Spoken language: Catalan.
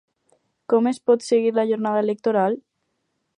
Com es pot seguir la jornada electoral?